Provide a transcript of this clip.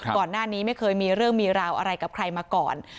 ก่อนหน้านี้ไม่เคยมีเรื่องมีราวอะไรกับใครมาก่อน